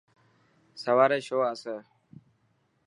سواري شو آسي.